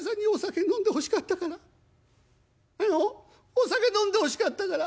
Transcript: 「お酒飲んでほしかったから。